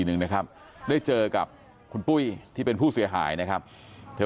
หนึ่งนะครับได้เจอกับคุณปุ้ยที่เป็นผู้เสียหายนะครับเธอ